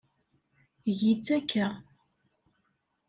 Eg-itt akka.